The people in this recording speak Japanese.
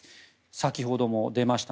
先ほども出ました